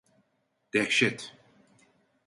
Dehşet…